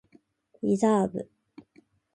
リザーブ